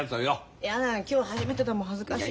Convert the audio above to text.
嫌だ今日初めてだもん恥ずかしい。